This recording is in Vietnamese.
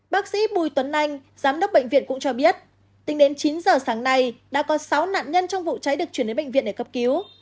bác sĩ bùi tuấn anh giám đốc bệnh viện cũng cho biết tính đến chín giờ sáng nay đã có sáu nạn nhân trong vụ cháy được chuyển đến bệnh viện để cấp cứu